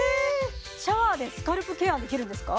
シャワーでスカルプケアできるんですか？